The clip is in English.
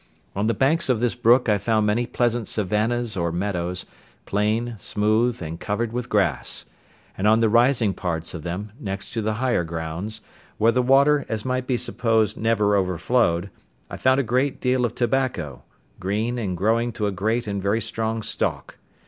On the banks of this brook I found many pleasant savannahs or meadows, plain, smooth, and covered with grass; and on the rising parts of them, next to the higher grounds, where the water, as might be supposed, never overflowed, I found a great deal of tobacco, green, and growing to a great and very strong stalk.